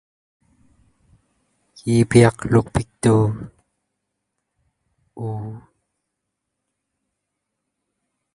จะให้ดูแลผลประโยชน์ของคนอื่นด้วยก็คงไม่ไหว